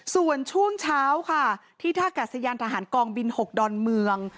ส่วนช่วงเช้าค่ะที่ท่ากัดสยานทหารกองบิน๖ดอนเมือง